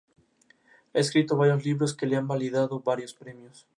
Ha escrito varios libros que le han valido varios premios.